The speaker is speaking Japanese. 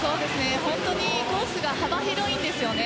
本当にコースが幅広いんですよね。